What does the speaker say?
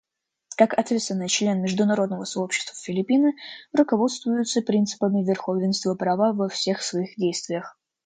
Как ответственный член международного сообщества Филиппины руководствуются принципами верховенства права во всех своих действиях.